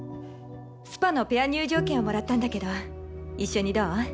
スパのペア入場券をもらったんだけど一緒に、どう？